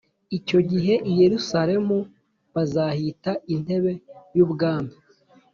Icyo gihe i Yerusalemu bazahita intebe y ubwami